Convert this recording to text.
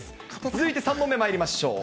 続いて３問目まいりましょう。